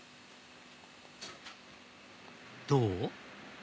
どう？